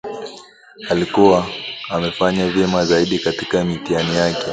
Alikua amefanya vyema zaidi katika mitihani yake